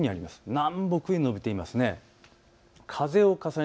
南北に延びていますね。